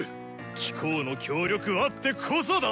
貴公の協力あってこそだ！